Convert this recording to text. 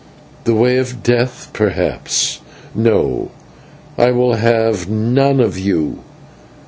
"The way of death, perhaps. No, I will have none of you.